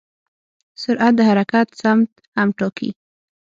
سرعت د حرکت سمت هم ټاکي.